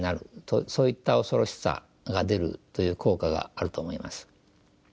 そういった恐ろしさが出るという効果があると思います。